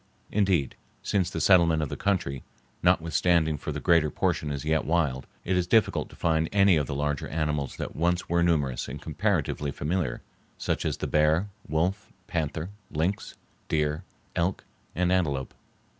Indeed, since the settlement of the country, notwithstanding far the greater portion is yet wild, it is difficult to find any of the larger animals that once were numerous and comparatively familiar, such as the bear, wolf, panther, lynx, deer, elk, and antelope.